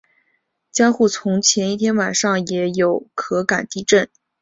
江户从前一晚开始也有可感地震。